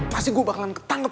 pasti gue bakalan ketangkep